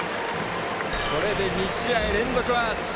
これで２試合連続アーチ。